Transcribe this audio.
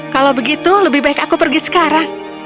kalau begitu lebih baik aku pergi sekarang